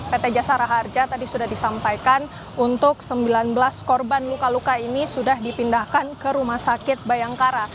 pt jasara harja tadi sudah disampaikan untuk sembilan belas korban luka luka ini sudah dipindahkan ke rumah sakit bayangkara